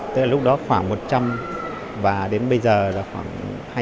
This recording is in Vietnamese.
tức là lúc đó khoảng một trăm linh và đến bây giờ là khoảng hai trăm bảy mươi hai trăm tám mươi